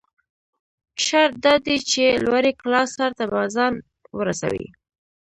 شرط دا دى، چې لوړې کلا سر ته به ځان رسوٸ.